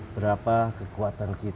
berapa kekuatan kita